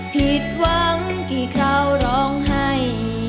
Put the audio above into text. ผิดหวังกี่คราวร้องไห้